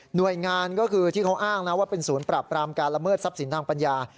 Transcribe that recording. หน่วยงานก็คือที่เขาอ้างนะว่าเป็นศูนย์ปราบปรามการละเมิดทรัพย์สินทางปัญญา